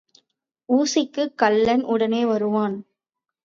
ஊசிக்குக் கள்ளன் உடனே வருவான்.